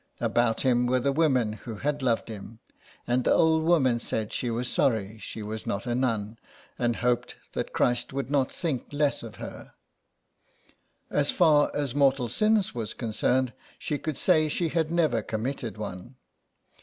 About him were the women who had loved him, and the old woman said she was sorry she was not a nun, and hoped that 102 SOME PARISHIONERS. Christ would not think less of her. As far as mortal sin was concerned she could say she had never com mitted one.